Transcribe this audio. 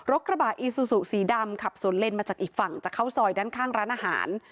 กระบะอีซูซูสีดำขับสวนเลนมาจากอีกฝั่งจะเข้าซอยด้านข้างร้านอาหาร